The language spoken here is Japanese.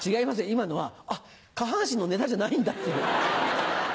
今のは「あっ下半身のネタじゃないんだ」っていう。